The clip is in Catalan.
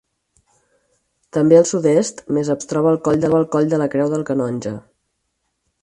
També al sud-est, més a prop, es troba el Coll de la Creu del Canonge.